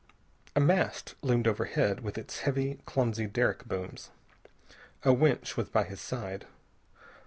A mast loomed overhead, with its heavy, clumsy derrick booms. A winch was by his side.